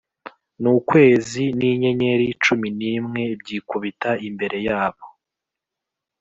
nukwezi ninyenyeri cumi nimwe byikubita imbere yabo